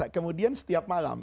kemudian setiap malam